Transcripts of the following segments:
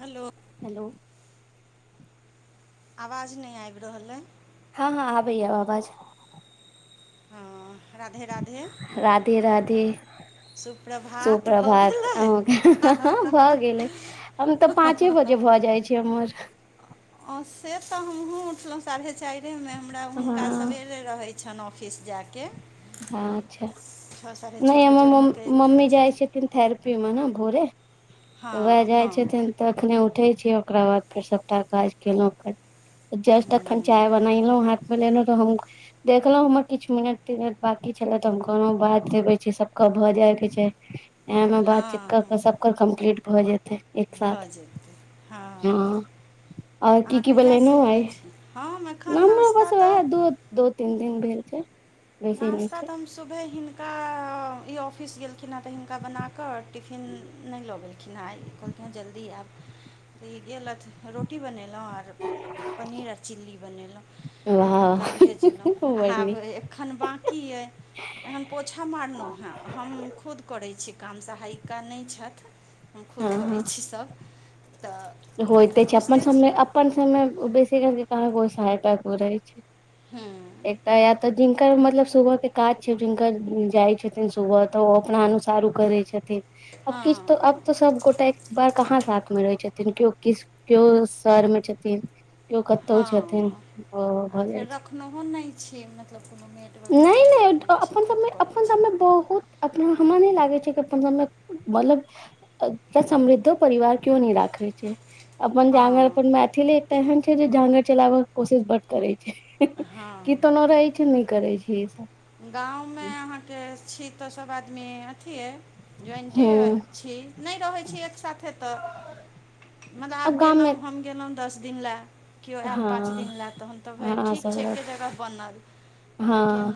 Hello. Hello. आवाज नय आइब रहल अइ। हँ- हँ आबय या आवाज। हँ। राधे राधे राधे- राधे। सुप्रभात भऽ सुप्रभात गेलै अहुके ह- ह भऽ गेलै। हम त पाँचे बजे भऽ जाइ छैय हमर। हँ से त हमहुँ उठलहुँ साढ़े चाइरे मे हमरा हुनका हँ सवेरे रहय छन ऑफिस जा हँ अच्छा साढ़े नय छओ हमर बजे ओ मम निकलि मम्मी जाइ छथिन छैय [unintelligible] थेरपीमे ने भोरे वएह हँ जाइ हँ छथिन तखने उठै छियै ओकरा बाद फेर सभटा काज केलहुँ फेर। जस्ट अखन हूँ, चाय बनेलहुँ हाथमे लेलहुँ त हम देखलौं हमर किछ मिनट- तिनट बाकी छले त हम कहलौं बात कर लय छी सबके भ जाय के छैय। ऐ मे बातचीत हँ क हँ के सब क कम्प्लीट भ जेत य एक साथ हँ आओर की अहाँ की कहियासँ बनेलौं एहिमे आइ। छी हम एखन हमरो नाश्ता बस उएह तऽ दो दू तीन दिन भेल छैय। नास्ता त हम सुबहे हिनका इ ऑफिस गेल कहखिन हँ त हिनका बना क टिफिन नय लऽ गेलखिन हेँ आइ कहलखिन हेँ जल्दी ऐब। त इ गेलथ रोटी बनेलौं आर पनीर आ चिली बनेलौं हुनका वाह भेजलहुँ बड आब नीक खन बाकी अइ। तहन पोछा मारलौ हेँ हम खुद करै छी काम सहायिका नय छथ। हम खुद हँ करै हँ छी सब। होइते तऽ छै अपन बुझिते सब मे छी अपन सब मे बेसी रहोते तहन कोय सहायता करेै। हँ एकटा या तऽ जिनकर मतलब सुबह के काज छै जिनकर जाय छथिन सुबह तऽ ओ अपना अनुसार ओ करै छथिन। अब हँ किछ तऽ हँ अब तऽ सब गोटा- बार काहाँ साथ मे रहै छथिन केओ किस केओ सर में छथिन- कीओ कतौ छथिन हँ हँ भऽ आर जा फेर छै। रखनहो नहि छी मतलब कोनो मेड वगैरह नैय- नहि नैय रखने छी अपन खुद सबमे करै अपन छी सबमे बहुत अपना हमरा नै लागेय छैय कि अपन गाम मे मतलब- समृद्धो परिवार क्यो नै राखेैय। छैय अपन [unintelligible] अपन हँ मैथिली तेएहन छैय जे जानं चलाबय के कोशिश बड करै छैय। हँ कितोनो रहै छैय नै करेय छैय इ सब। गाँव में आहाँके छी तऽ सब आदमी अथिये। ज्वाइंटे हूँ छी नै रहेैय छी एक साथे तऽ मुदा आब गलोअ हम गेलहुँ दस दिन लेए। केओ एल पाँच दिन हँ लए तहन तऽ भइ हँ ठीक छै सब एके जगह बनल लेकिन हँ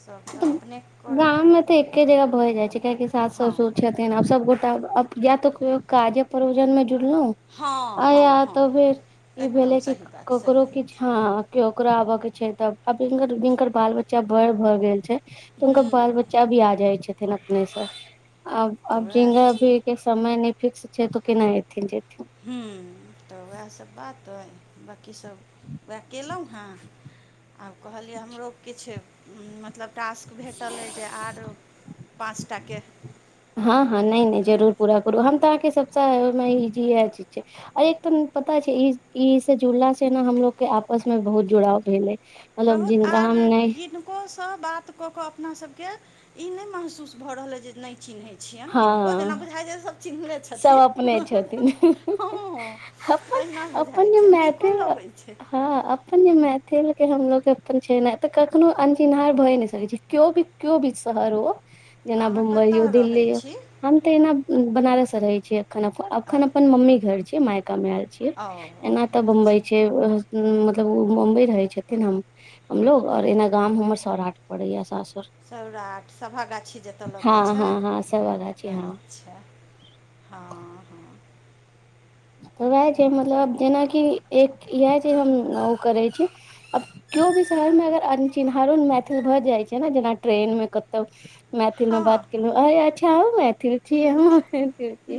सब तऽ अपने करऽ गाममे परत तऽ एके जगह भऽ जाइ छैय काहे की सास ससुर छैथ। तेहेन आब सबगोटा अब जेएब तऽ कहियो काजे प्रोजन में जुड़लौ। हँ आ हँ या हँ तऽ फेर ई एकदम भेले की सही बात सही ककरो किछ बात हँ केओकरो आबय के छैय तऽ आब जीनकर जीनकर बाल बच्चा बड़ भए गेल। छैय तऽ हुनका हूँ बाल बच्चा भी आ जाइ छथिन अपने सँ आब- तऽ आब वएह जिनका छै भी- एक समय नै फिक्स छै तऽ केना ऐथिन जेथिन। हूँ तऽ वएह सब बात अइ। बाकी सब वएह केलो हेॅं आब कहलियै हमरो किछ। मतलब टास्क भेटल अइ जे आर पाँचटा के ह‌ँ, हँ नैय नैय जरूर पूरा करू हम तऽ आहाँके सब से मायन लिय इहे चीज छैय। अइ ठुम पता छै इ ई से जुड़ला से न हमलोग के आपस में बहुत जुड़ाव भेलै। मतलब जिनका नैह ओ सब बात कऽ कऽ अपना सब के ई नै महसूस भऽ रहल अइ जे नै चिन्हैत छियैन किनको जेना हँ बुझइ जे सब चिन्हले सब छथिन अपने हँ, छथिन हँ। अपन तहिना अपन बुझाय जे छैय आ नीको मैथिल लगै छैय। हँ अपन जे मैथिल के हमलोग अपन छै न तऽ कखनो अनचिन्हार भए नै सकैय छै। कियो भी कियो भी शहर हो जेना अहाँ बुम्बई हो कतऽ रहै दिल्ली हो- छी हम तऽ ऐना बनारस से रहेै छीयेै एखन अऽ एखन अपन मम्मी घर छी मायका मे एल छी ओ एना तऽ अच्छा बम्बई छी। की ओ मतलब वो बम्बई रहेैत छथिन हम हमलोग आ हँ ऐना गाम हमर सौराठ परेैया सासुर सौराठ सभा गाछी जतऽ लगै हँ छै। हँ हँ सब आगा छी हँ अच्छा हँ, हँ तऽ उएह छैय मतलब जेनाकि एक इएह छैय हम ओ करेैय छी। अब कीओ भी शहर मे अगर अनचिन्हारो मैथिल भऽ जाइ छैय न जेना ट्रेन मे कत तऽ मैथिल मे बात हँ केलौ अरे अच्छा अहु मै थिल छियै हम नीक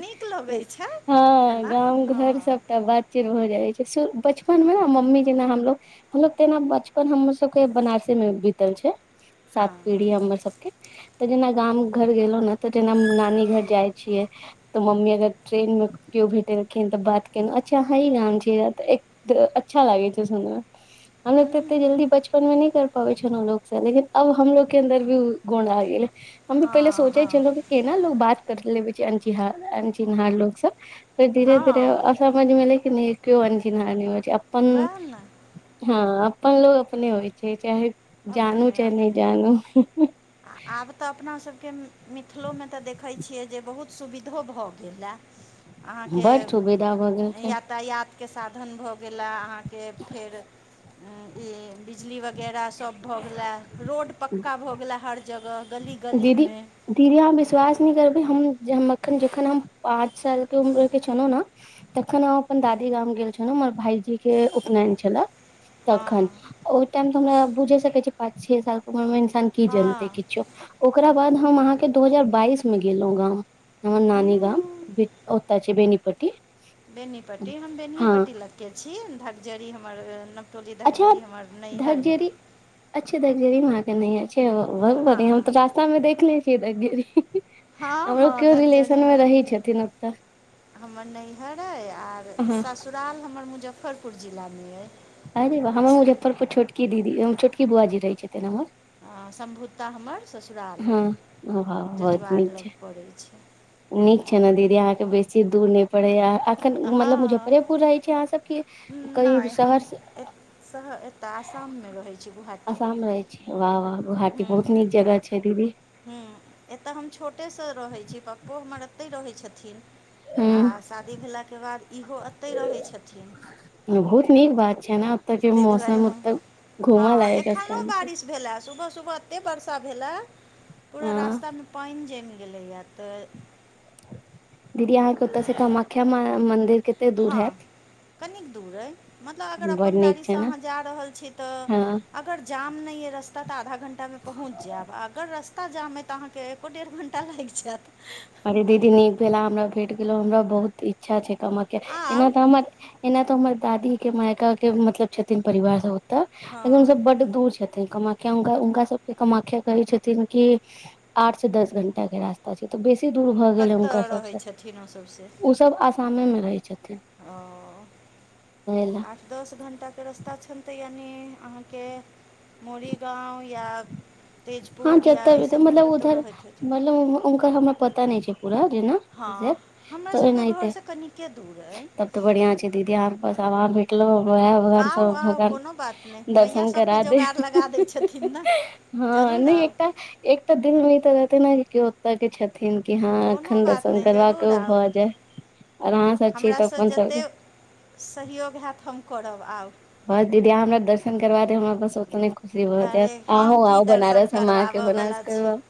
नीक लगै छै हँ एना गाँव हँ घर सब तऽ बड चिज भऽ जाय छैय सु बचपन मे न मम्मी जेना हमलोग हमरा तऽ ऐना बचपन हमरो सबके बनारसे मे बीतल छै सात हँ पीढ़ी हमर सब तऽ जेना गाम घर गेलो न तऽ जेना नानी घर जाइ छियै। तऽ मम्मी अगर ट्रेन में कियो भी गेलखिन तऽ बात केेलु अच्छा अहा ई नाम छीय तऽ अच्छा लागे छैय सुनमे हमरो हँ तऽ ओते जल्दी बचपन मे नै कर परैय छलो लोक स लेकिन अब हमलोग के अन्दर भी ऊ गुण आइब गेलै हम भी पहिले हँ सोचे हँ छल्लों केना लोग बात कर लेबै छैय अनचिहा अंचिन्हार लोग स फेर धीरे-धीरे हँ अस समझ मे ऐलै की नै कओ अंचिन्हार नै हो छैय अपन वएह ने हँ अपन लोक अपने होइ छैय चाहे जानू अपने चाहे नै अपने जानू आब तऽ अपना सबके मिथिलोमे तऽ देखयछिये जे बहुत सुबिधो भऽ गेलै। अहाँके बड़ सुविधा भऽ गेल छै यातायात के साधन भ गेलै अहा के फेर इ बिजली बगैरह भऽ गेलै रोड पक्का भऽ गेलै हर जगह दीदी गली-गलीमे दीदी अहाँ विश्वास नहि करबै हम जहन मखन जखन हम पाँच साल के उम्र के छलहुँ न तखन हम अपन दादी गाम गेल छलउ हमर भाईजी के उपनेन छले। तखन हँ ओहि टाइम तऽ हमरा बुझे सकै छी पाँच छे साल के उमर मे इंसान की जनते हँ किछो ओकरा बाद हम अहाँके दू हजार बाइस में गेल्लो गाँंव हमर नानी गाम [unintelligible] ओत छै बेनीपट्टी बेनीपट्टी हम बेनिए हँ पट्टी लग के छी धकजरी हमर नब टोली अच्छा धकजड़ी हमर नईहर अय। धकजरी अच्छा धकजरी में अहा के नईहर छय बहुत हँ बढ़िया हम त रास ता में देखलेने छियै दग्जरी हँ हमरो हँ किओ रिलेशन मे धकजरीमे रहै छथिन ओतऽ हमर नईहर अए आर हँ ससुराल हमर मुजफ्फरपुर जिलामे अय। अरे वाह हमर मुजफ्फरपुर छोटकी दीदी छोटकी बुआजी रहै छथिन हमर आ सम्भुता हमर ससुराल अए हँ वाह बहुत नीक जजुआर छै लग पड़ै छै। नीक छै ने दीदी अहाँके बेसी दूर नहि पड़ैया एखन मतलब हँ मुजफ्फरेपुर रहै छी अहाँ सब की कहीं नहि शहर हम से एत शहर एतऽ आसाम मे रहै छी गोहाटी वाह-वाह गुहाटी बहुत नीक जगह छै दीदी हूँ एत हम छोटेसँ रहै छी पप्पो हमर एतहि रहै छथिन हूँ आ शादी भेलाके बाद इहो अतए रहैत छथिन बहुत नीक बात छै ने ओत के ताहि दुआरे मौसम हम ओतऽ घूम हँ लायक एखनो स्थान छै बारिश भेल सुबह-सुबह एते बर्षा भेलै। पूरा हँ रस्तामे पाइन जमि गेलैए तऽ दीदी अहाँके ओतय से कामाख्या माई मन्दिर कतेक दूर हँ हैत कनिक दूर अइ मतलब अगर बड अपन नीक गाड़ीसँ छै ने अहाँ जा रहल छी तऽ हँ अगर जाम नहि यऽ रास्ता तऽ आधा घण्टामे पहुँच जैब अगर रस्ता ताऽ जाम अए तऽ अहाँके एको डेढ़ घण्टा लागि जैत अरे दीदी नीक भेला अहा हमरा भेट गेलो हमरा बहुत इच्छा छै। कामख्या के एना आउ तऽ हमर एना त हमर दादी के मायका के मतलब छथिन परिवार सब लेकिन हँ सब बड दूर छथि कामख्या हुनका सबके कामख्या कहे छथिन कि आठ स दस घंटा के रास्ता छै बेस बेसी दूर भऽ गेल है हुनकर कतऽ रहै सबसँ छथिन ओसभ से ओ सब आसामे मे रहै छथिन ओ सबसे ओएले आठ दस घण्टाके रस्ता छनि तऽ यानि अहाँके मोरीगांव या हँ तेजपुर या जते ई भीत सभमे मतलब कतहु उधर रहैत हेथिन मतलब उनकर हमरा पता नहि छै पूरा जेना। हँ हमरा त सभके एनाइते, घरसँ कनिके दूर अइ तब त बढ़िया छै दीदी आहाँ के पास। [unintelligible] देखलो वैहा भगान आउ सब आउ भगवान कोनो बात नहि मैया दर्शन सभके करा दे। जोगाड़ लगा दै छथिन ने हँ जरूर नहि आउ एकटा एकटा दिल नहि त रहतै न कियो एटा के छथिन कि हँ कोनो अखन बात दर्शन नहि करवाक जरूर ओ आउ भऽ जा। आर अहाँ सब छी तऽ हमरासँ अपन सबके। जतेक सहयोग हैत हम करब आऊ। बस दीदी हमरा दर्शन करबा देब [unintelligible] ओतने अरे [unintelligible] हम आँहु की आऊ दर्शन बनारस हम अहानके बनारस करबाबयवला छी कराऊँ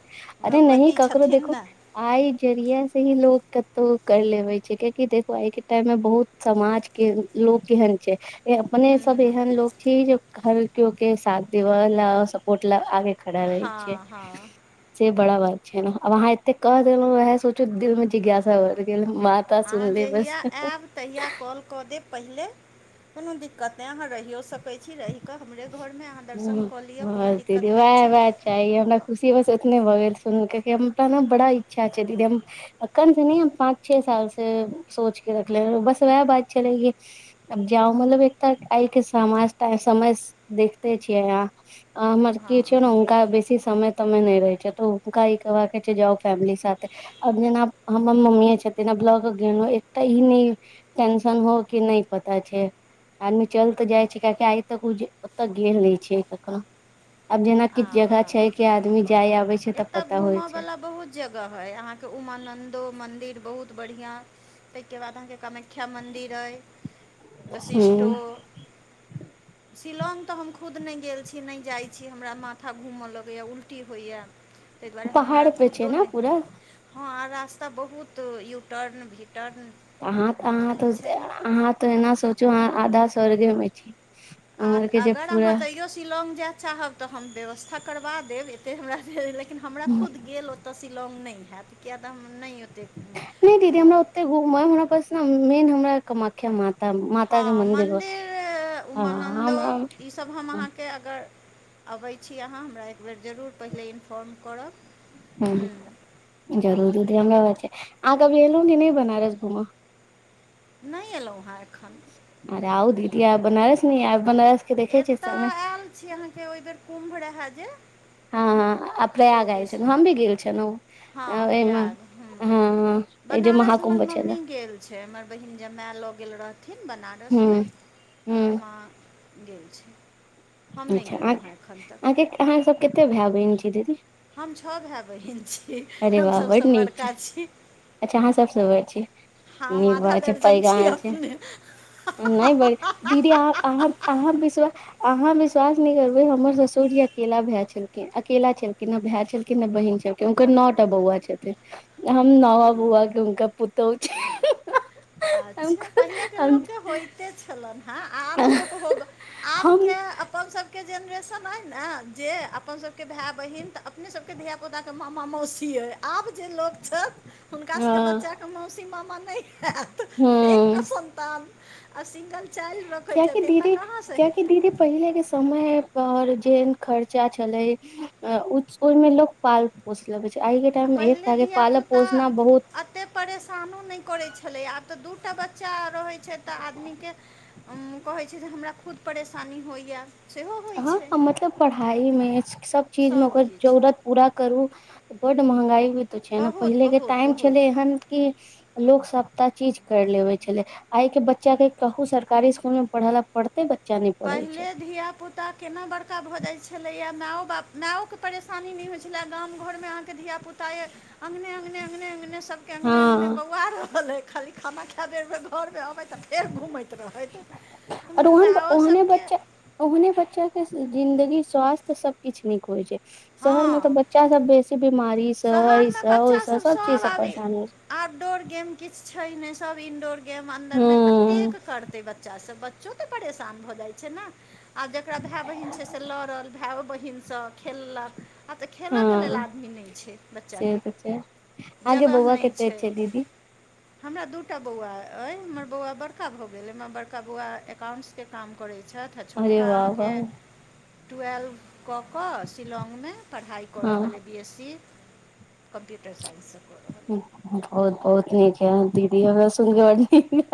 अरे नही भगवती ककरो छथिन देखु ने आइ जरिया से ही लोग कतहु कर लेबे छै कियकि देखु आइ के टाइम मे बहुत समाज के लोग केहन छै ए मने सब हूँ एहन लोग छी जे हर केओ के साथ देब ला सपोर्ट ल आबे खड़ा रहै छीये। हँ हँ से बड़ा बात छै ने आब अहाँ एते कह देलहुं वै ह सोचू दिल में जिज्ञासा बढ़ गेल हमार। अहाँ जहिया ऐब तहिया कॉल कऽ देब पहिले कुनु दिक्कत नय अहाँ रहियो सकै छी रैह के हमरे घरमे अहाँ दर्शन बस कऽ लिअ कोनो दीदी दिक्कत नहि वएह छै। वएह चाही हमरा खुशी बस ओतने भऽ गेल सुनक हमरा ने बड़ा इच्छा छै दीदी हम अक्खन से न हम पाँच छे साल से सोच के रखले बस वैह बात छले की [unintelligible] देखते छियै आहाँ हमर हँ की छै ने हँ हँ हुनका बेसी समय समे न रहै छै त हुनका काइबाके छै जाउ फेमिली साथे आब जेना हमर मम्मीये छथिन आब लऽ के गेलहु एकटा ई नहि टेंशन हो क नहि पता छै आदमी चल जाइ छै कहाकि आइ तक ओ जे त गेल नहि छै कखनो आब जेना किछु जगह छै कि आदमी जाय आबे छै। तब एतऽ पता होइ घूमऽ छै बला बहुत जगह है अहाँ के उमाानंन्दो मंदिर बहुत बढ़िया ताहि के बाद अहाँ के कम वख्या मन्दिर अइ ह वशिष्ठो शिलौंग तऽ हम खुद नहि गेल छी नहि जाइत छी हमरा माथा घूमय लगैया उल्टी होइया। ताहि दुआरे हमरा पहाड़ पे छै खुदो ने नहि पूरा हम हँ रास्ता बहुत यूटर्न भीटर्न आहाँ तऽ अहाँ तऽ अहाँ तऽ एना सोचू अहाँ आधा स्वार्गे में छी। आ उमर के जे अगर अहाँ पूरा तैयो शिलांग जा चाहब तऽ हम व्यवस्था करबा देब एतेक हमरा लेकिन हमरा खुद गेल ओत ओतऽ शिलॉग नहि हैत किए तऽ हम नहि ओतेक नहि दीदी ओ हमरा ओते घुमय हमरा पस मेन हमरा कामाख्या माता माता के हँ मन्दिर ओ अय तब हम अहाँके अगर अबै छी अहाँ हमरा एकबेर जरूर पहिले इन्फॉर्म करब। हँ हूँ हम जरूर दीदी अमरा बाद छै आग कभी एलहु नहि बनारस घुमा। नहि एलहुँ हेँ एखन। अरे आउ दीदी आ बनारस न आब बनारस के देखै छी सममे से अहाँके ओहि बेर कुम्भ रहा जे हं हं आब प्रयाग आयल छलहुं हम भी गेल छलहुं। हं प्रयाग हूं ई जे बनारस हमर महाकुम्भ छलै मम्मी। गेल छैय हमर बहिन जमै लऽ गेल रहथिन बनारस हूँ मे। हमर हूँ मां गेल छैय। अच्छा अहां अहां के अहां सब कते भाै बहिन छी दीदी। हम छ भेै बहिन छी अरे हम वाह सब बड सऽ नीक छै बड़का छी। अच्छा अहां सब स बङ छी हम नीक आधा बात छैय दर्जन पैग छी अहां छियै। अपने नहि बै दीदी अहां अहां अहां पिसबै। अहां विश्वास नहि करबैय हमर ससुर जी अकेला भेै छलखिन अकेला छलखिन है भै छलखिन। कि नहि बहीन छलखिन। हुनकर न टा बौआ छथिन हम नवा बौआ के हुनकर पुतोह छी। हम अच्छा पहिले के हम लोके होइत। होइते छलहेन आब लोक हो आब हम के। अपन सबके जेनरेशन अय ने जे अपन सबके भै बहिन तऽ अपने सबके धिया। पुता केऽ मामा मौसी अई। आब जे लोक छैथ हुनका सबके बच्चा हँ के मौसी मामा नहि हैत। एकटा संतान आ सिंगल चाइल्ड रखैय कियाकि छथिन तऽ दीदी कहां से कियाकि हेतैय। दीदी पहिले के समय पर जेहन खर्चा छलैय ओहिमे लोक। पाल पोष लेबे छैय आइ के आ टाइम मे एकटा के पालक पोषना बहुत। ओते परेशानो नहि करै छलै या आब तऽ दू टा बच्चा रहै छैय तऽ आदमी के। कहैय छैय जे हमरा खुद परेशानी होइया। अहांक मतलब पढ़ाइ मे अछि सब चीज मे ओकर सभकिछु जरूरत। पूरा करू बड महंगाइ होइ तऽ छैय न बहुत पहिले के बहुत टाइम बहुत छलैय हन की लोक सबटा चीज कर लेबे छलैय। आइ के बच्चा के कहू सरकारी स्कुल मे पढ़ लै पढते बच्चा नहि पढ़े छैय। पुता केना बड़का भऽ जाइत छलैया मै ओ बाप मै ओ के परेशानी नहि होइत छलैए गाम घरमे अहां के धिया। पुता ये। अंगने अंगने अंगने अंगने सब के अंगने अंगने हँ बौआ रहल यै खाली खाना खाै बेर मे घर मे अबै। त फेर घुमैत रहैत मैओ सब। ओह ने बच्चा के जिंन्दगी स्वास्थ सब किछ नीक होइ छैय शहर में तऽ हँ बच्चा।। बच्चा सब बेसी बीमारी सऽ शहर ऐइ मे स ओइ बच्चा स सब चीज सष आब परेशानी। आउटडोर गेम किछ छैय नहि सभ इनडोर गेम अन्दर मे हूँ कतेक करतै बच्चा सब। बच्चा। से तऽ परेशान भऽ जाइ छैय न आब जेकरा भै बहिन छैय से लड़ल भाय बहिन सऽ। खेललक आब त खेलऽ के लेल हँ आदमी नै। बच्चा से के तऽ छै आगे जगह बौआ नहि कते छैय। छै दीदी हमरा दूटा बौआ अइ हमर बौआ बड़का भऽ गेलै हमर बड़का बौआ एकाउंट्स के काम करैत छैथ। अरे छोटका वाह अहां के। वाह ट्वेल् कऽ कऽ शिलांग मे पढ़ाइ कऽ रहल अइ हँ B S C. Computer science सऽ। बहुत बहुत नीक है दीदी हमरा सुनंगे ब।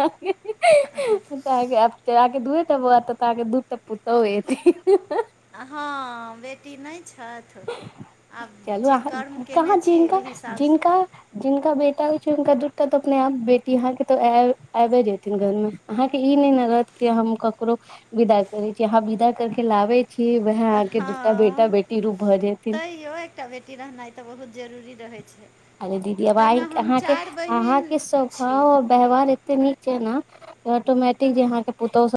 अहां के दूएटा बौआऽ तब त अहां के दू टा पुतहु एथिन। हां बेटी नहि छैथ। आब चलू जे अहाँ कर्म कयने कहाँ छी जिनका ओहि हिसाब सऽ। जिनका जिनका बेटा होइ छैय हुनका दूटा त अपने आप बेटी अहां के त आइबे जेथिन घर में। अहां के ई नहि ने रहत के हम ककरो विदा करे छी अहां विदा करके लाबे। छी व्हे आके दुटा हँ बेटा बेटी रूप भऽ जेथिन तैयो एकटा बेटी रहनाइ तऽ, बहुत जरूरी रहैत छै, अरे दीदी अबाइ ताहिमे हम अहाँके चारि बहिन -अहाँके छी स्वभाव अब व्यवहार एते नीक छै न, ऑटोमेटिक जे यहं के पुतो सब